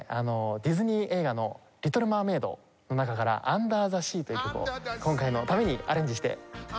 ディズニー映画の『リトル・マーメイド』の中から『アンダー・ザ・シー』という曲を今回のためにアレンジしてきました。